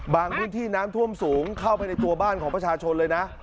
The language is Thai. พื้นที่น้ำท่วมสูงเข้าไปในตัวบ้านของประชาชนเลยนะ